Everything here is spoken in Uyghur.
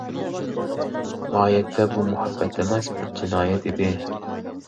ماھىيەتتە بۇ مۇھەببەت ئەمەس بىر جىنايەت ئىدى.